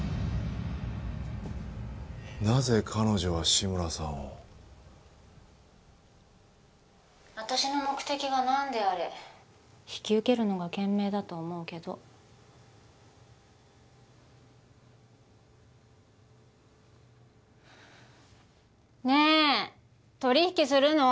なぜ彼女は志村さんを私の目的が何であれ引き受けるのが賢明だと思うけどねえ取り引きするの？